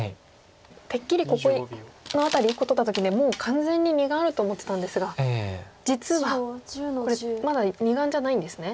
てっきりここの辺り１個取った時でもう完全に２眼あると思ってたんですが実はこれまだ２眼じゃないんですね。